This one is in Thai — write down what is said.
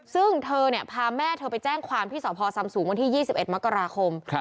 ซึ่งเธอเนี่ยพาแม่เธอไปแจ้งความที่สภสศูนย์วันที่๒๑มค